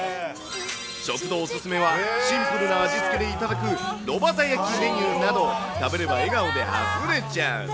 食堂お勧めは、シンプルな味付けで頂く炉端焼きメニューなど、食べれば笑顔であふれちゃう。